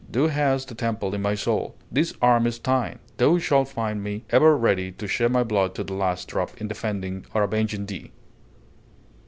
Thou hast a temple in my soul; this arm is thine; thou shalt find me ever ready to shed my blood to the last drop in defending or avenging thee!"